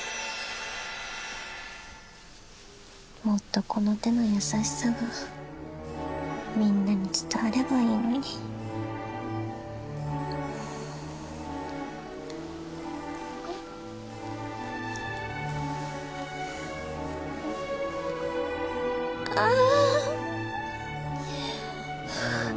もっとこの手の優しさがみんなに伝わればいいのにあっはぁ。